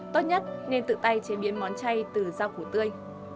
tốt nhất nên tự tay chế biến món chay từ rau củ tươi